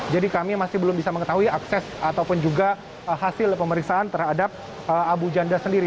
jadi kami masih belum bisa mengetahui akses ataupun juga hasil pemeriksaan terhadap abu janda sendiri